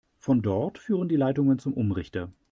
Von dort führen die Leitungen zum Umrichter.